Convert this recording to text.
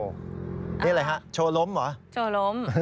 นี่นะครับโชว์ล้มเหรอ